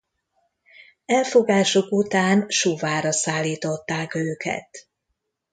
Elfogásuk után Suvára szállították őket.